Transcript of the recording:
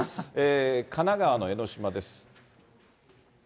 神奈川の江の島です。